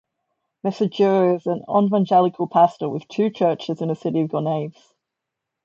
Mesadieu is an Evangelical pastor with two churches in the city of Gonaives.